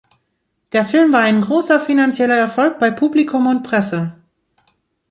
Der Film war ein großer finanzieller Erfolg bei Publikum und Presse.